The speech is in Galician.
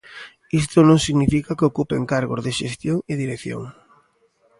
Isto non significa que ocupen cargos de xestión e dirección.